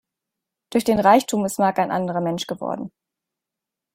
Durch den Reichtum ist Mark ein anderer Mensch geworden.